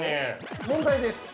◆問題です。